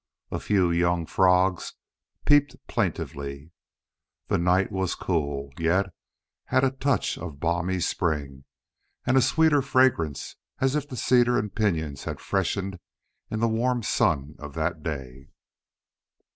A few young frogs peeped plaintively. The night was cool, yet had a touch of balmy spring, and a sweeter fragrance, as if the cedars and pinyons had freshened in the warm sun of that day.